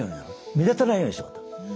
目立たないようにしようと。